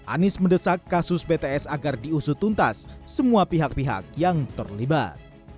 anies mendesak kasus bts agar diusut tuntas semua pihak pihak yang terlibat